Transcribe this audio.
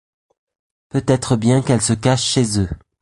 Peut-être bien qu'elle se cache chez eux...